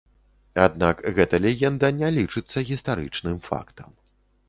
Аднак, гэта легенда не лічыцца гістарычным фактам.